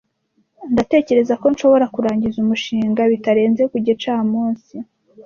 Ndatekereza ko nshobora kurangiza umushinga bitarenze ku gicamunsi.